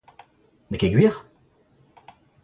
N’eo ket gwir ?